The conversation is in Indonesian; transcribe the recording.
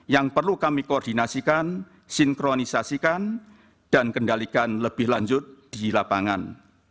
yang perlu kami koordinasikan sinkronisasikan dan kendalikan lebih lanjut di lapangan